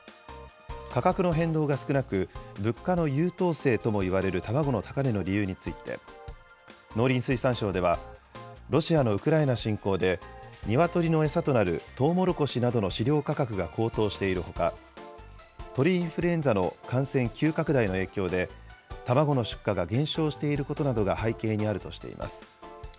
価格の変動が少なく、物価の優等生ともいわれる卵の高値の理由について、農林水産省では、ロシアのウクライナ侵攻で、ニワトリの餌となるトウモロコシなどの飼料価格が高騰しているほか、鳥インフルエンザの感染急拡大の影響で、卵の出荷が減少していることなどが背景にあるとしています。